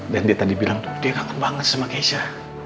dan dia tadi bilang tuh dia kangen banget sama keisha